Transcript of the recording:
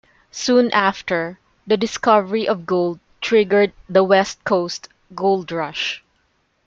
Soon after, the discovery of gold triggered the West Coast Gold Rush.